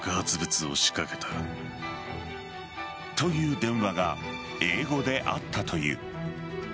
という電話が英語であったという。